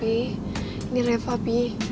ini nya repa p